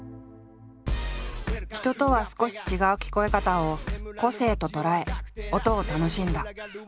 人とは少し違う聞こえ方を個性と捉え音を楽しんだ。